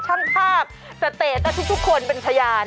ช่างภาพสเตจและทุกคนเป็นพยาน